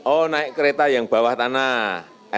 oh naik kereta yang bawah tanah